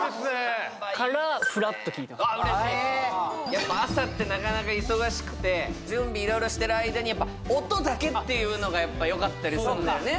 やっぱ朝ってなかなか忙しくて準備いろいろしてる間に音だけっていうのがやっぱよかったりすんだよね